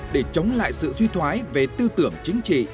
để chống lại sự suy thoái về tư tưởng chính trị